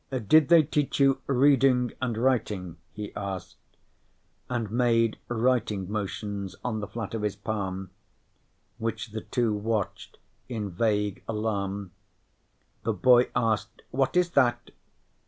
"Did they teach you reading and writing?" he asked, and made writing motions on the flat of his palm, which the two watched in vague alarm. The boy asked: "What is that?"